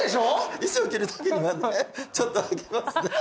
衣装着る時にはねちょっとはきますね。